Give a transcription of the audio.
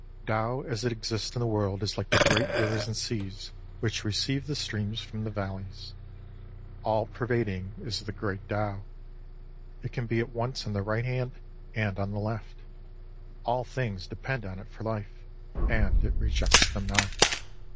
Tao as it exists in the world is like the great rivers and seas which receive the streams from the valleys. All pervading is the Great Tao. It can be at once on the right hand and on the left. All things depend on it for life, and it rejects them not.